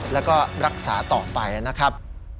และรักษาต่อไปนะครับ